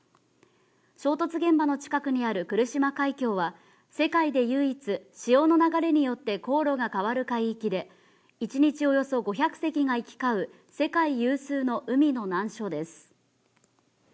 衝突現場の近くにある来島海峡は世界で唯一、潮の流れによって航路が変わる海域で、一日およそ５００隻が行き交う、世界有数の海の難所です。